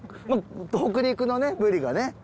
北陸のねブリがね。